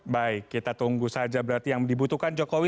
baik kita tunggu saja berarti yang dibutuhkan jokowi